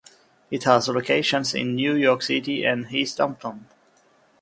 It has locations in New York city and East Hampton.